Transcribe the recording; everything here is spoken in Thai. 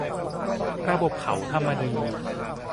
ระบบเขาทำมาดี